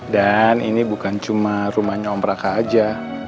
dan ini bukan cuma rumahnya om raka saja